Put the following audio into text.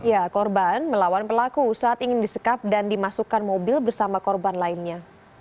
ya korban melawan pelaku saat ingin disekap dan dimasukkan mobil bersama korban lainnya